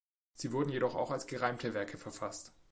Sie wurden jedoch auch als gereimte Werke verfasst.